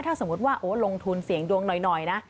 ถ้าสมมุติว่าลงทุนเสี่ยงดวงหน่อยนะ